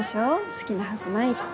好きなはずないって。